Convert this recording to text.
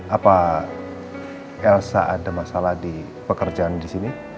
apa elsa ada masalah di pekerjaan di sini